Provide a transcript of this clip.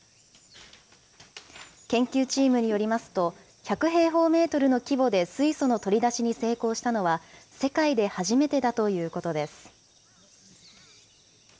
研究チームによりますと、１００平方メートルの規模で水素の取り出しに成功したのは世界で初めてだということです。